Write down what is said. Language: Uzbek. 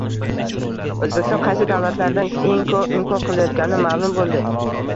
O‘zbekiston qaysi davlatlardan eng ko‘p import qilayotgani ma'lum bo‘ldi